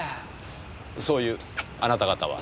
そういうあなた方は？